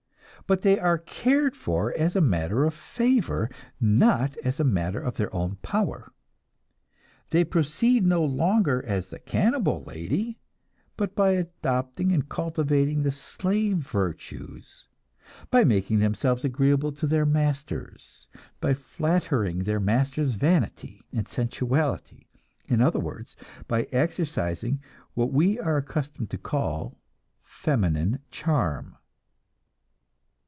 But they are cared for as a matter of favor, not as a matter of their own power. They proceed no longer as the cannibal lady, but by adopting and cultivating the slave virtues, by making themselves agreeable to their masters, by flattering their masters' vanity and sensuality in other words by exercising what we are accustomed to call "feminine charm."